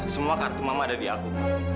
semua kartu mama ada di aku